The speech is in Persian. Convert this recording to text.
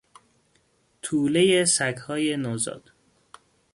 توله سگهای نوزاد